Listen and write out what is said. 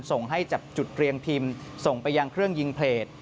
ส่งให้จับจุดเรียงพิมพ์ส่งไปยังเครื่องยิงเพจ